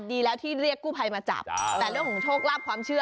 ดีแล้วที่เรียกกู้ภัยมาจับแต่เรื่องของโชคลาภความเชื่อ